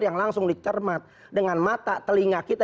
yang langsung dicermat dengan mata telinga kita